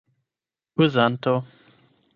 uzanto